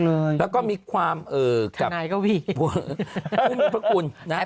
แล้วก็มีความเอ่อก็มีพระคุณนะฮะ